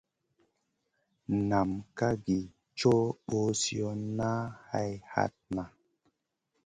Nam ká gi caw ɓosiyona hay hatna.